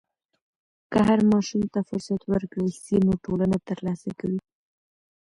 که هر ماشوم ته فرصت ورکړل سي، نو ټولنه ترلاسه کوي.